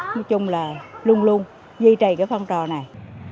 nói chung là luôn luôn di trầy cái phong trào này